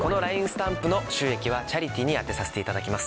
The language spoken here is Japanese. スタンプの収益はチャリティーに充てさせていただきます。